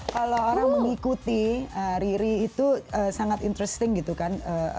kalau orang mengikuti riri itu sangat interesting gitu kan